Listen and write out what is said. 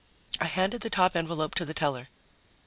I handed the top envelope to the teller.